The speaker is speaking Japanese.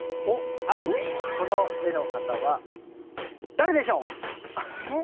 はいこの絵の方は誰でしょう？え？